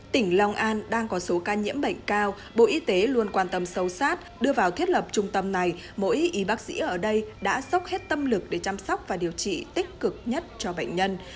tỉnh long an đang có số ca nhiễm bệnh cao bộ y tế luôn quan tâm sâu sát đưa vào thiết lập trung tâm này mỗi y bác sĩ ở đây đã sốc hết tâm lực để chăm sóc và điều trị tích cực nhất cho bệnh nhân